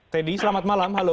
teddy selamat malam halo